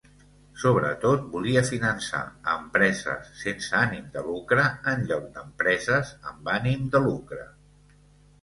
Sobretot volia finançar a empreses sense ànim de lucre, en lloc d'empreses amb ànim de lucre.